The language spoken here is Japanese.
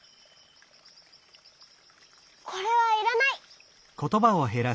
これはいらない。